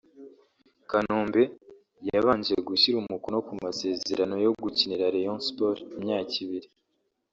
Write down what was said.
Kanombe yabanje gushyira umukono ku masezerano yo gukinira Rayon Sport imyaka ibiri